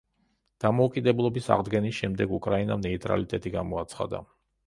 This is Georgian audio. დამოუკიდებლობის აღდგენის შემდეგ უკრაინამ ნეიტრალიტეტი გამოაცხადა.